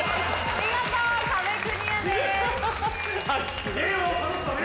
見事壁クリアです。